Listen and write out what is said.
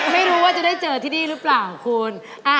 ไม่รู้ว่าจะได้เจอที่นี่หรือเปล่าคุณ